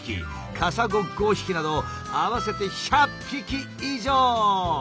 カサゴ５匹など合わせて１００匹以上！